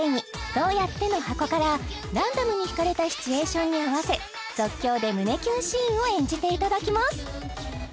「どうやって」の箱からランダムに引かれたシチュエーションに合わせ即興で胸キュンシーンを演じていただきます